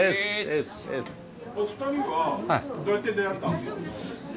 お二人はどうやって出会ったんですか？